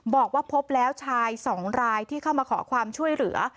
บอกว่าพบแล้วชายสองรายที่เข้ามาขอความช่วยเหลือ